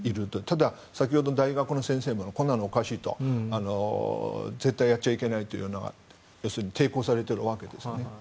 ただ、先ほど大学の先生もこんなのおかしいと絶対にやっちゃいけないというように要するに抵抗されているわけです。